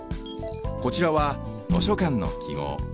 こちらは図書館のきごう。